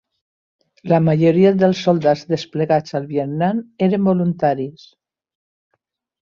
La majoria dels soldats desplegats al Vietnam eren voluntaris.